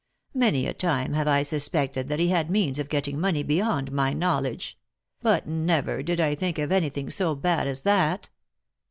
Many a time have I suspected that he had means of getting money beyond my knowledge; but never did I think of anything so bad as that.